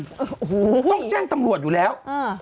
ต้องแจ้งตำรวจอยู่แล้ว